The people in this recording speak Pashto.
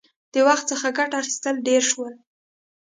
• د وخت څخه ګټه اخیستل ډېر شول.